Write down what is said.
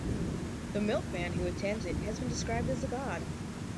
The milkman who attends it has been described as a god.